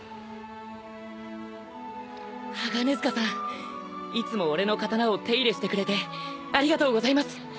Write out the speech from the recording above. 鋼鐵塚さんいつも俺の刀を手入れしてくれてありがとうございます。